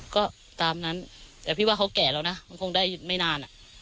ก็ตามนั้นแต่พี่ว่าเขาแก่แล้วนะมันคงได้ไม่นานอ่ะ